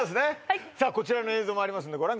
はいさあこちらの映像もありますのでご覧